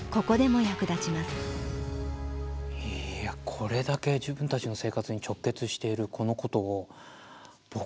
いやこれだけ自分たちの生活に直結しているこのことを僕